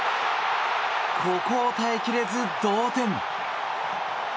ここを耐え切れず同点。